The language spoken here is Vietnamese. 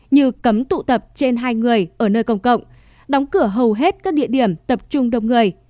như cấm tụ tập trên hai người ở nơi công cộng đóng cửa hầu hết các địa điểm tập trung đông người